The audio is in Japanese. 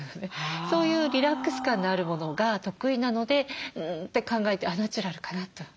そういうリラックス感のあるものが得意なのでうんって考えてナチュラルかなと名前を付けました。